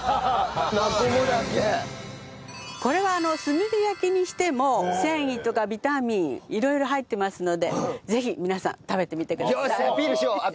これは炭火焼きにしても繊維とかビタミン色々入ってますのでぜひ皆さん食べてみてください。